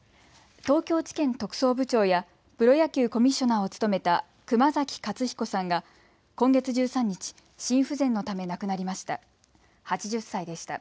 東京地検特捜部長やプロ野球コミッショナーを務めた熊崎勝彦さんが今月１３日、心不全のため亡くなりました。